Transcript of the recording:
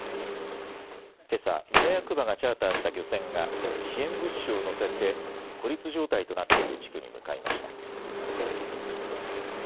けさ村役場がチャーターした漁船が支援物資を乗せて孤立状態となっている地区に向かいました。